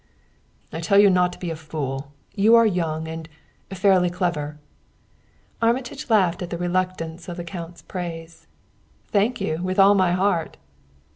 "I tell you not to be a fool. You are young and fairly clever " Armitage laughed at the reluctance of the count's praise. "Thank you, with all my heart!"